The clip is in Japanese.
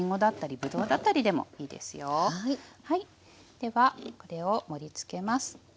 ではこれを盛りつけます。